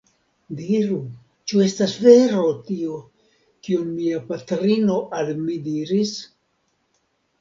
Diru, ĉu estas vero tio, kion mia patrino al mi diris?